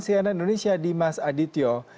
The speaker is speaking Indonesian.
siana indonesia dimas adityo